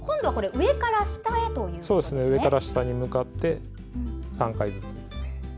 上から下に向かって３回ずつです。